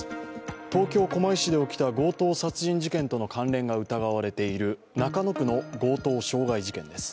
東京・狛江市で起きた強盗殺人事件との関連が疑われている中野区の強盗傷害事件です。